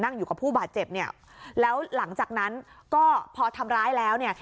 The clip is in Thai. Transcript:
อยู่กับผู้บาดเจ็บเนี่ยแล้วหลังจากนั้นก็พอทำร้ายแล้วเนี่ย